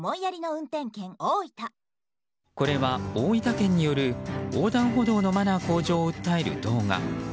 これは、大分県による横断歩道のマナー向上を訴える動画。